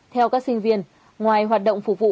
theo các sinh viên ngoài hoạt động phục vụ